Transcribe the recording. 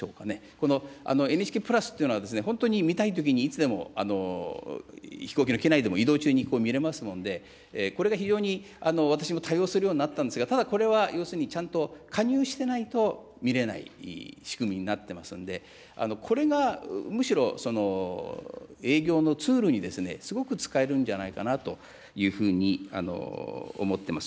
このＮＨＫプラスというのは、本当に見たいときにいつでも、飛行機の機内でも移動中に見れますもんで、これが非常に私も多用するようになったんですが、ただ、これは要するに、ちゃんと加入してないと見れない仕組みになってますんで、これがむしろ営業のツールにすごく使えるんじゃないかなというふうに思ってます。